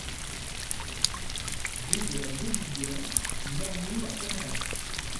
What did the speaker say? Rue de la Gauboudiere, Morgny-la-Pommeraye